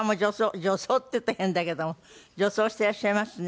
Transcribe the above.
女装っていうと変だけども女装していらっしゃいますね。